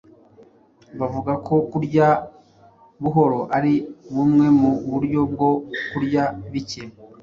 Bavuga ko kurya buhoro ari bumwe mu buryo bwo kurya bike.